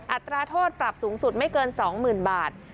อัตราโทษปรับสูงสุดไม่เกิน๒๐๐๐บาท